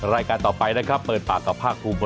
รายการต่อไปนะครับเปิดปากกับภาคภูมิ